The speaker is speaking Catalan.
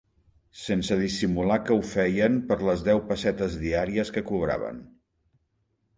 Sense dissimular que ho feien per les deu pessetes diàries que cobraven